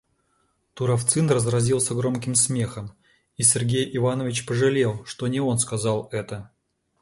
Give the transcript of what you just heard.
Туровцын разразился громким смехом, и Сергей Иванович пожалел, что не он сказал это.